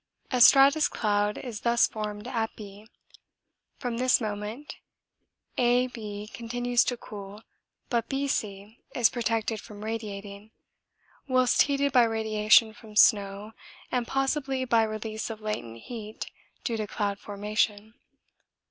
A stratus cloud is thus formed at B; from this moment A B continues to cool, but B C is protected from radiating, whilst heated by radiation from snow and possibly by release of latent heat due to cloud formation.